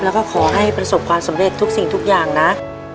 แล้วก็ขอให้ประสบความสำเร็จทุกสิ่งทุกอย่างนะ